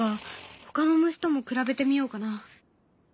ほかの虫とも比べてみようかな。